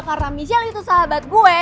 karena michelle itu sahabat gue